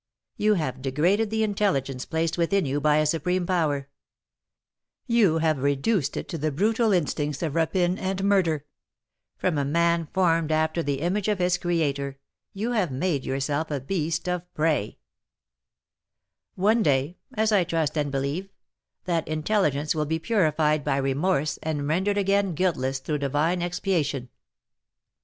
You have degraded the intelligence placed within you by a supreme power, you have reduced it to the brutal instincts of rapine and murder; from a man formed after the image of his Creator, you have made yourself a beast of prey: one day, as I trust and believe, that intelligence will be purified by remorse and rendered again guiltless through divine expiation.